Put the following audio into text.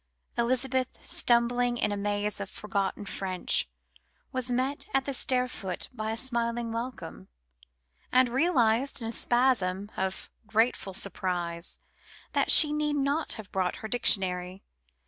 Elizabeth, stumbling in a maze of forgotten French, was met at the stair foot by a smiling welcome, and realised in a spasm of grateful surprise that she need not have brought her dictionary.